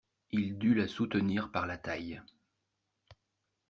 Il dut la soutenir par la taille.